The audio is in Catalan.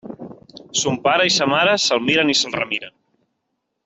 Son pare i sa mare se'l miren i se'l remiren.